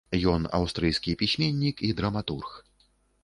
Ён аўстрыйскі пісьменнік і драматург.